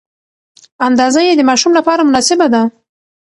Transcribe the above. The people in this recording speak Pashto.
اندازه یې د ماشوم لپاره مناسبه ده.